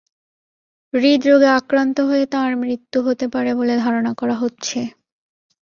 হূদরোগে আক্রান্ত হয়ে তাঁর মৃত্যু হতে পারে বলে ধারণা করা হচ্ছে।